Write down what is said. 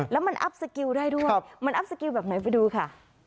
แล้วมันอัพสกิลได้ด้วยมันอัพสกิลแบบไหนไปดูค่ะ